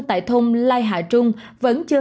tại thôn lai hạ trung vẫn chưa